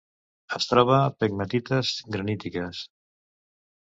Es troba pegmatites granítiques.